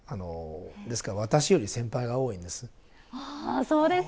ですから私より先輩が多いんです。